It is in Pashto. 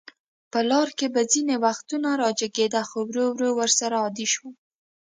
په لاره کې به ځینې وختونه راجګېده، خو ورو ورو ورسره عادي شوم.